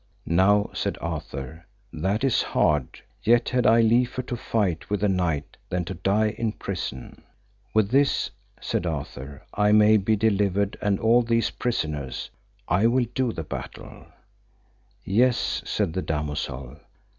Now, said Arthur, that is hard, yet had I liefer to fight with a knight than to die in prison; with this, said Arthur, I may be delivered and all these prisoners, I will do the battle. Yes, said the damosel.